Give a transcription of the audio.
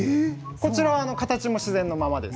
こちらは形も自然のままです。